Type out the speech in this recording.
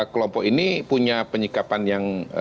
kelompok ini punya penyikapan yang